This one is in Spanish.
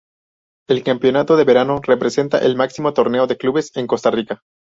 El campeonato de verano representa el máximo torneo de clubes en Costa Rica.